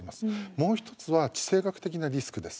もう一つは地政学的なリスクです。